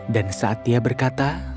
dan saat dia berkata